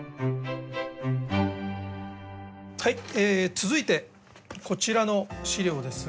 続いてこちらの史料ですが。